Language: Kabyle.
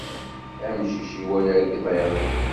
Amcic iwala agḍiḍ.